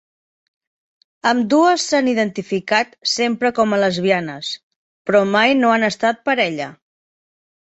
Ambdues s'han identificat sempre com a lesbianes, però mai no han estat parella.